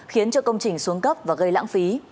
khiến cho công trình xuống cấp và gây lãng phí